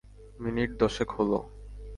Minute দশেক হলো।